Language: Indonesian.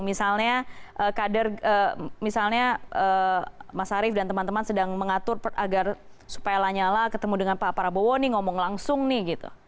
misalnya kader misalnya mas arief dan teman teman sedang mengatur agar supaya lanyala ketemu dengan pak prabowo nih ngomong langsung nih gitu